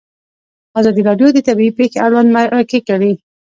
ازادي راډیو د طبیعي پېښې اړوند مرکې کړي.